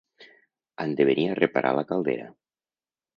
Han de venir a reparar la caldera.